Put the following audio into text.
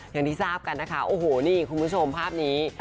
อย่างที่ทราบกันนะคะโอ้โหนี่คุณผู้ชมภาพนี้